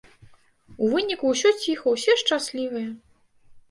У выніку ўсё ціха, усе шчаслівыя.